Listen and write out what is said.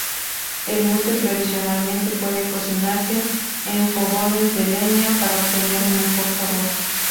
El mute, tradicionalmente, puede cocinarse en fogones de leña para obtener un mejor sabor.